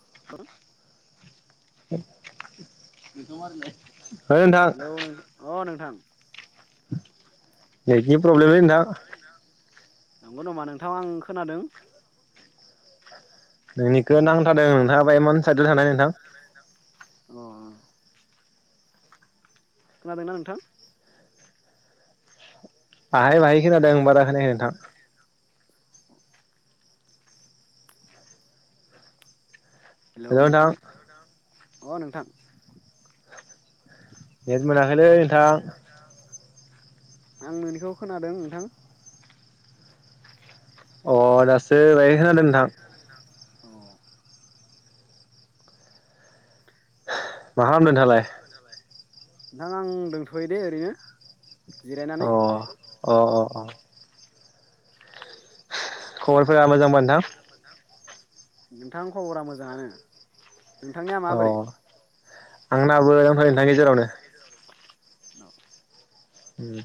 [unintelligible] [unintelligible] Hello नों अ नोंथां, नेटनि प्रब्लेमलै नोंथां नंगौ नामा नोंथां आं खोनादों। नोंनि खो नांथादों नोंथाङा बा इमान साइदेल थानाय नोंथां। खोनादोंना नोंथां? बाहाय बाहाय खोनादों बारा खोनायाखै नोंथां। हेलौ नोंथां अ नोंथां नेत मोनाखैलै नोंथां। आं नोंनिखौ खोनादों नोंथां। अ दासो बाय खोनादों नोंथां। मा खालामदों दालाय? नोंथां आं दंथयो दे ओरैनो। जिरायनानै अ अ अ खबर खबरफोरा मोजांबा नोंथां। नोंथां खबरा मोजाङानो। नोंथांनिया माबोरै? आंनाबो मो नोंथां गेजेरावनो। औ उम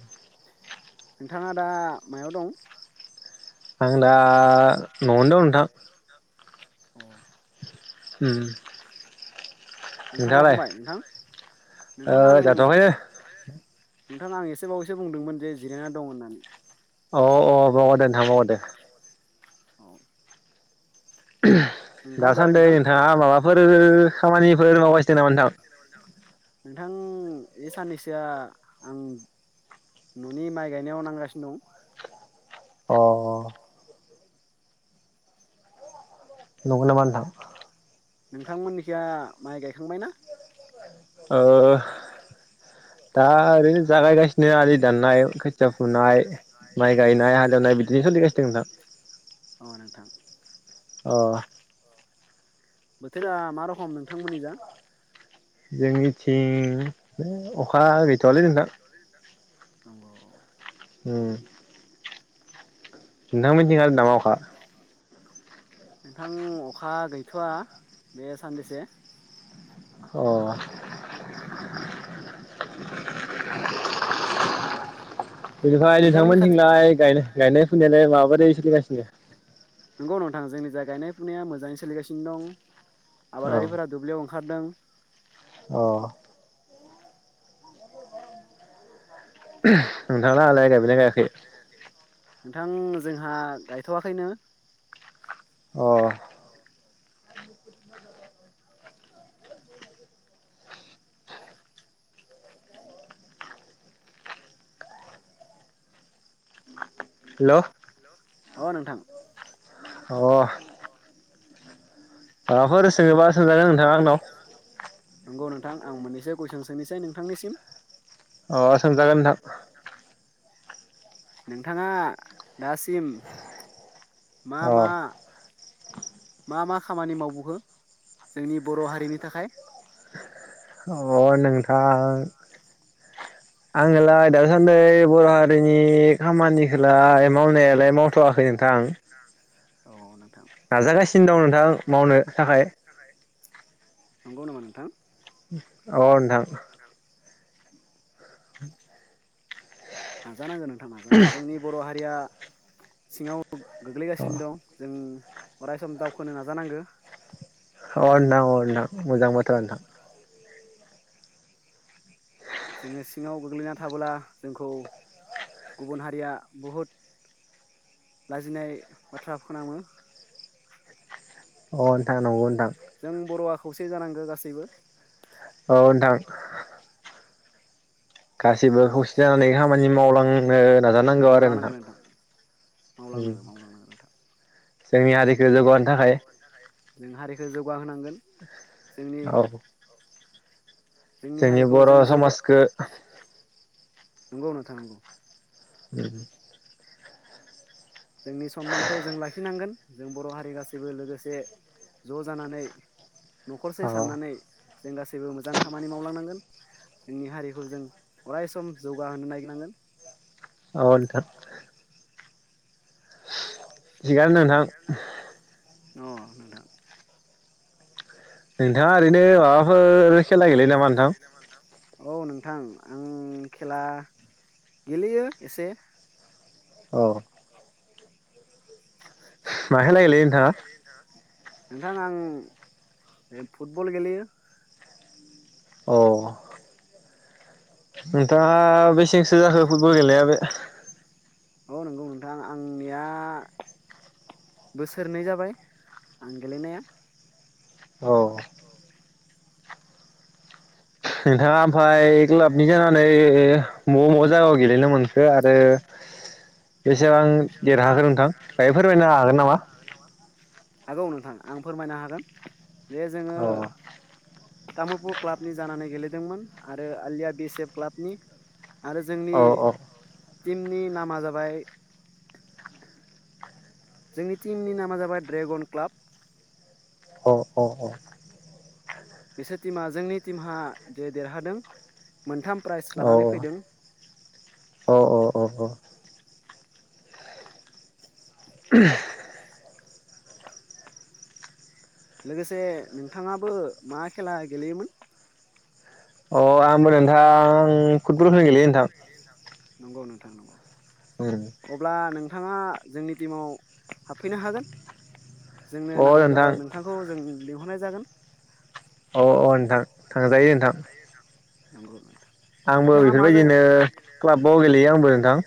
नोंथाङा दा मायाव दं? आं दा न'आवनो दं नोंथां। औ ओम ओंखाम जाखांबाय नोंथां नोंथां आं नोंथां आं एसेबावैसो बुंदोंमोन जे जिरायना दं होननानै अ अ ह दे नोंथां अ दे औ दासान्दि नोंथाङा माबाफोर खामानिफोर मावगासिनो नामा नोंथां? नोंथां ए साननैसोआ आं न'नि माइ गायनायाव नांगासिनो दं। अ नंगौ नामा नोंथां नोंथांमोननिखा माइ गायखांबायना? ओ दा ओरै जागायगासिनो आलि दाननाय खोथिया फुनाय माइगायनाय हाल एवनाय बिदि सोथां अ नोंथां अ बोथोरा मा रखम नोंथांमोननि जा जोंगिथिं बो अ हा गैथ'आलै नोंथां। नंगौ होम नोंथां मोननिथिं हादों नामा अखा? नोंथां अखा गैथवा बे सानदिसे अ [unintelligible] बेनिफ्राय नोंथांमोनथिंलायाय गायनाय फुनायलाय माबाबादै सोलिगासिनो जाय गायनाय फुनाया मोजांङै सोलिगासिनो दं। आबादारिफोरा दुब्लियाव ओखारादों। अ [unintelligible] नोंथांना आलाय गायबायलाय गायाखै? नोंथां जोंहा गायथ'आखैनो अ हेलौ अ नोंथां अह माबाफोरस ङोबा सोंजागोन नोंथाङा आंनाव नंगौ नोंथां आं मोननैसो कुइसन सोंनिसै नोंथांनिसिम। अ सोंजागोन नोंथां। नोंथाङा दासिम मा मा? मा मा खामानि मावबोखो जोंनि बर' हारिनि थाखाय? अ नोंथां आङोलाय दासान्दि बर'हारिनि खामानिखौलाय मावनायालाय मावथवाखै नोंथां। औ। नाजागासिनो दं नोंथां मावनो थाखाय। नंगौ नामा नोंथां? औ नोंथां। [inaudible] [inaudible] नाजानांगोन नोंथां नाजानांगोन जोंनि बर' हारिया सिङाव गोग्लैगासिनो दं जों अराय सम दावखोनो नाजानांगो। अ नोंथां अ नोंथां मोजां बाथ्रा नोंथां। जोङो सिङाव गोग्लैना थाबोला जोंखौ गुबुन हारिया बहुद लाजिनाय बाथ्रा फोनाङो। अ नोंथां नंगौ नोंथां। जों बर'आ खौसे जानांगौ गासैबो औ नोंथां। मावलांनांगोन नोंथां मावलांनांगोन मावलांनांगोन नोंथां जों हारिखौ जौग गाहोनांगोन। औ। जोंनि बर'समाजखो नंगौ नोंथां नंगौ। [inaudible] जोंनि सनमानखौ जों लाखिनांगोन जों बर हारि गासैबो लोगोसे ज जानानै नखरसे साननानै जों गासैबो मोजां खामानि मावलांनांगोन जोंनि हारिखौ जों अराय सम जौगाहोनो नागिरनांगोन। औ नोंथां। थिगानो नोंथां। दङ नोंथां। नोंथाङा ओरैनो माबाफोर खेला गेलेयो नामा नोंथां? आं खेला गेलेयो एसे। औ। [inaudible] [unintelligible] नोंथाङा? नोंथां आं ओ फुटबल गेलेयो। अ नोंथाङा बेसेसो जाखो फुटबल गेलेया बे औ नंगौ नोंथां आंनिया बोसोरनै जाबाय आं गेलेनाया। औ नोंथाङा फाय क्लाबनि जानानै म म जागायाव गेलेनो मोनखो आरो बेसेबां देरहाखो नोंथां दायो फोरमायनो हागोन नामा? आं फोरमायनो हागोन। बेे जोङो तामुलपुर क्लाबनि जानानै गेलेदोंमोन। आरो आलिया बि एस एफ क्लाबनि आरो जोंनि टिमनि नामा जाबाय जोंनि टिमनि नामा जाबाय ड्रेगन क्लाब। अ अ अ बिसोर टिमा जोंनि टिमहा जे देरहादों मोनथाम प्राइज लानानै फैदों। [unintelligible] लोगोसे नोंथाङाबो मा खेला गेलेयोमोन? अ आंबो नोंथां फुटबलखोनो गेलेयो नोंथां। नंगौ नोंथां नंगौ। अब्ला नों थाङा जोंनि टिमाव हाबफैनो हागोन। जोंनो नांगौ जाबा नोंथांखौ जों लिंहरनाय जागोन अ अ नोंथां थांजायो नोंथां। नंगौ आंबो बेफोरबायदिनो क्लाबाव गेलेयो आंबो नोंथां।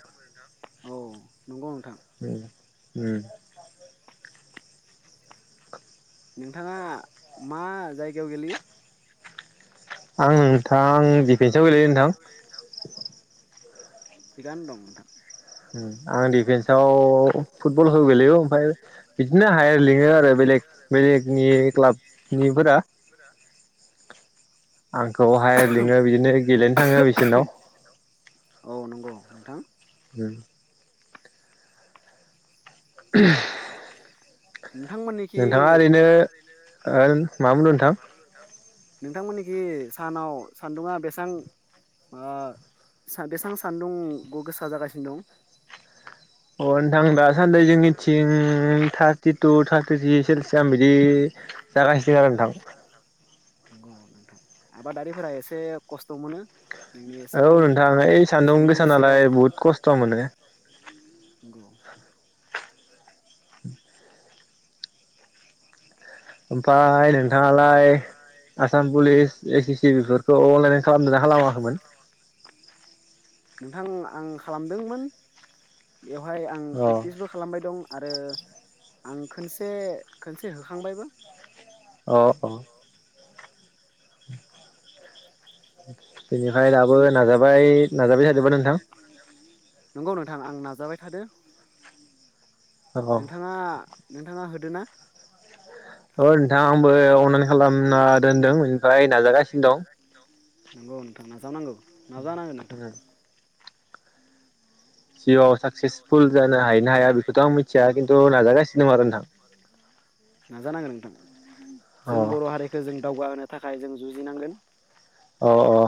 नंगौ नोंथां। उम नोंथाङा मा जायगायाव गेलेयो? आं नोंथां दिफेन्सआव गेलेयो नोंथां। थिगानो दं नोंथां। उम आं दि फेन्साव फुटबलखौ गेलेयो ओमफाय बिदिनो हायार लिङो आरो बेलेग बेलेगनि क्लाबनिफोरा। आंखौ हायार लिङो बिदिनो गेलेनो थाङो बिसोरनाव। नोंथां उम [unintelligible] [inaudible] नोंथाङा ओरैनो ओं मा बुंदों नोंथां? नोंथांमोननिखि सानाव सान्दुङा बेसां ओ सा बेसां सान्दुं गोसा जागासिनो दं? अ नोंथां दासान्दि जोंनिथिं थारटि टु थार्टि सेलसियाम बिदि जागासिनो आरो नोंथां। [inaudible] नंगौ नोंथां आबादारिफोरा एसे खस्थ मोनो। औ नोंथां ओइ सान्दुं गोसा नालाय बुहुद खस्थ मोनो। [inaudible] [inaudible] ओमाय नोंथाङालाय आसाम पुलिस ए सि सि बेफोरखौ अनलाइन खालामदोंना खालामाखैमोन? आं खालामदोंमोन। बेवहाय आं प्रेक्टिसबो खालामबाय दं आरो। आं खोनसे खोनसे होखांबायबो। अह अह। [inaudible] बेनिफ्राय दाबो नाजाबाय नाजाबाय थादोंबा नोंथां थादो नोंथाङा नोंथाङा होदोंना? ओ नोंथां आंबो अनलाइन खालामना दोनदों बेनिफाय नाजागासिनो दं। नंगौ नोंथां नाजा नांगौ नाजानांगोन नोंथां। नाजानांगोन नोंथां जों बर' हारिखौ जों दावगाहोनो थाखाय जों जुजिनांगोन। अह अह।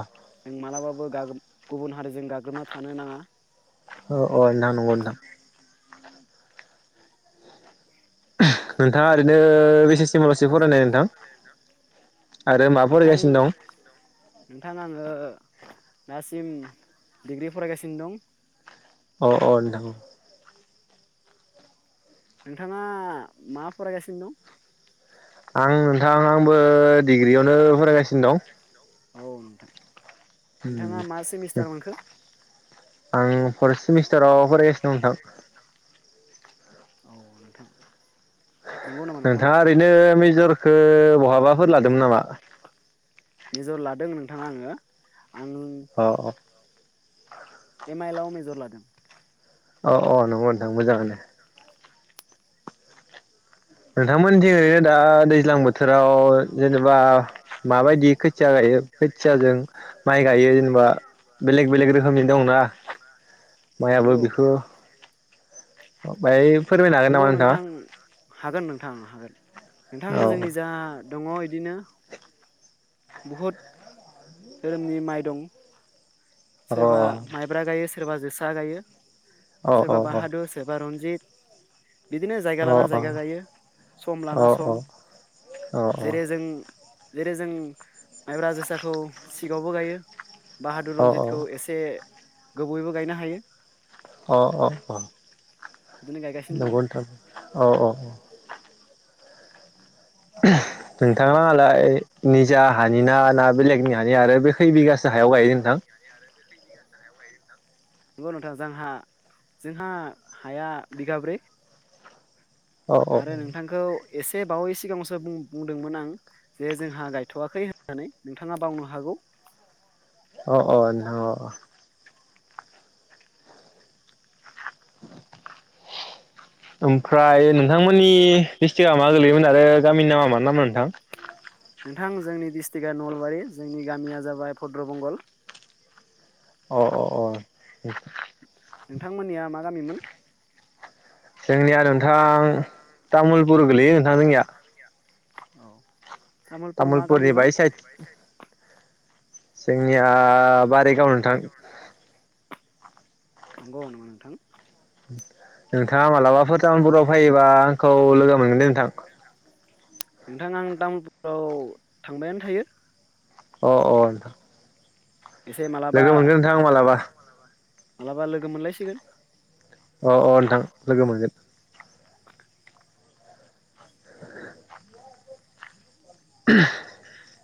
मालाबाबो गागोब गुबुन हारिजों गाग्लोबना थानो नाङा। अह अह ना नंग' नोंथां। नोंथां, नोंथां आङो दासिम डिग्रि फरायगासिनो दं। अ अ नोंथां नोंथाङा मा फरायगासिनो दं? आं नोंथां आंबो दि ग्रिवावनो फरायगासिनो दं। औ नोंथां। नोंथाङा मा सेमिस्टार मोनखो? आं [unintelligible] सेमिस्टाराव फरायगासिनो दं नोंथां। औ नोंथां। नोंथाङा ओरैनो मेजरखौ बहाबाफोर लादोंमोन नामा? थां आङो अ-अ एमाइलाव मेजर लादों। अ अ नंगौ नोंथां मोजाङानो नोंथांमोननिथिं ओरैनो दा दैज्लां बोथोराव अ जेनेबा माबायदि खोथिया गायो खोथियाजों माइ गायो जेनेबा बेलेग बेलेग रोखोमनि दंना माइआबो बेखौ बाय फोरमायनो हागोन नामा नोंथाङा? हागोन नोंथां हागोन। नोंथांमोन जोंनि जा दङ इदिनो बुहुद धोरोमनि माइ दं। सोरबा माइब्रा गायो स सोरबा जोसा गायो। सोरबा बाहादुर सोरबा रनजित बिदिनो जायगा लाना जायगा गायो सम लाना सम। जेरै जों जेरै जों माइब्रा जोसाखौ सिगावबो गायो। बाहादुर रनजित खौ एसे गोबावैबो गायनो हायो। अ अ अ नंगौ नोंथां औ-औ-औ नोंथांलाङालाय? निजा हानि ना ना बेलेगनि हानि आरो बे खै बिगासो हायाव गायदों नोंथां? नंगौ नोंथां जोंहा जोंहा हाया बिगाब्रै। आरो नोंथांखौ एसे बावै सिगाङावसो बुं-बुंदोंमोन आं जे जोंहा गायथवाखै होननानै नोंथाङा बावनो हागौ। अ अ न [inaudible] ओं ओमफ्राय नोंथांमोननि डिस्ट्रिक्टआ मा गोलैयोमोन? आरो गामिनि नामा मा नाम मोन? नोंथां जोंनि दिस स्ट्रिकआ नलबारि जोंनि गामिया जाबाय भद्रबंगल। अ अ अ नोंथां। नोंथांमोननिया मा गामिमोन? जोंनिया नोंथां तामुलपुर गोलैयो नोंथां जोंनिया। औ तामुलपुर मा गामिमोन? जोंनिया बारि औ नोंथां। नंगौ नोंथां। [inaudible] नोंथाङा मालाबाफोर तामुलपुराव फैयोबा आंखौ लोगो मोनगोन दे नोंथां। नोंथां आं तामुलपुराव थांबायानो थायो। अ अ नोंथां। लोगो मोनगोन नोंथां मालाबा। मालाबा लोगो मोनलायसिगोन। अ अ नोंथां लोगो मोनगोन। [inaudible]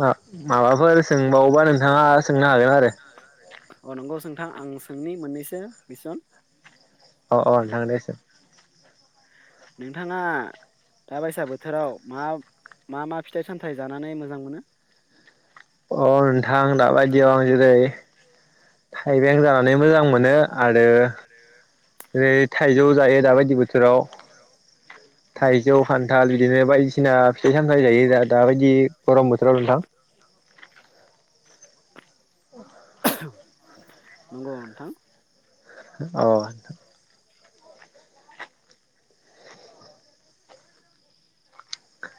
मा माबाफोर सोंबावोबा नोंथाङा सोंनो हागोन आरो। अ नंगौ नोंथां आं सोंनि मोननैसो कुइसन। अ अ नोंथां दे सों। नोंथाङा दा बायसा बोथोराव मा मा मा फिथाइ सामथाइ जानानै मोजां मोनो? अ नोंथां दाबायदियाव आं जेरै थाइबें जानानै मोजां मोनो आरो ओरै थाइजौ जायो दाबायदि बोथोराव थाइजौ खान्थाल बिदिनो बायदिसिना फिथाइ सामथाइ जायो दाबायदि गरम बोथोराव नोंथां। नोंगौ नोंथां। अ।